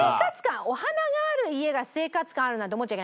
お花がある家が生活感あるなんて思っちゃいけない。